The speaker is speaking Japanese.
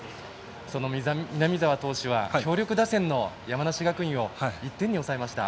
その南澤投手は強力打線の山梨学院を１点に抑えました。